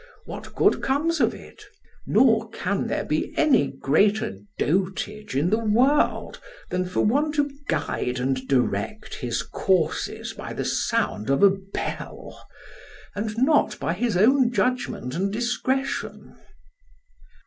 What good comes of it? Nor can there be any greater dotage in the world than for one to guide and direct his courses by the sound of a bell, and not by his own judgment and discretion.